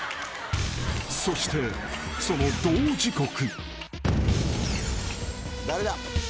［そしてその同時刻］